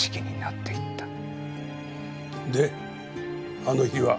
であの日は？